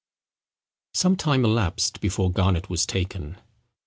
Some time elapsed before Garnet was taken.